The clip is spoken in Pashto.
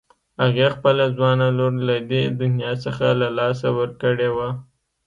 هغې خپله ځوانه لور له دې دنيا څخه له لاسه ورکړې وه.